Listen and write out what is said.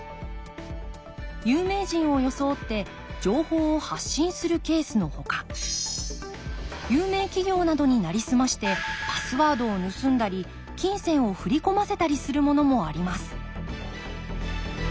有名人を装って情報を発信するケースのほか有名企業などになりすましてパスワードを盗んだり金銭を振り込ませたりするものもあります